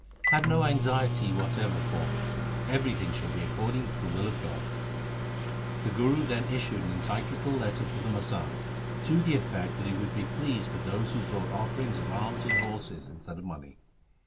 1 ' Have no anxiety whatever for me, everything shall be according to the will of God.' The Guru then issued an encyclical letter to the masands to the effect that he would be pleased with those who brought offerings of arms and horses instead of money.